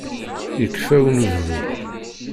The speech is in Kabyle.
Yekfa unebdu.